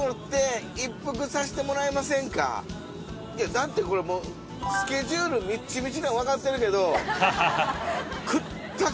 だってこれもうスケジュールみっちみちなの分かってるけど。